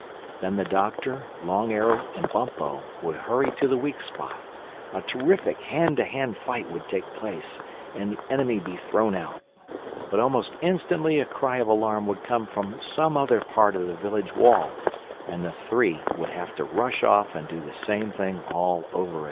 Then the Doctor, Long Arrow and Bumpo would hurry to the weak spot, a terrific hand to hand fight would take place and the enemy be thrown out. But almost instantly a cry of alarm would come from some other part of the village wall; and the Three would have to rush off and do the same thing all over again.